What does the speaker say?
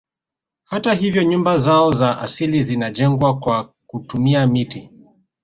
Hata hivyo nyumba zao za asili zinajengwa kwa kutumia miti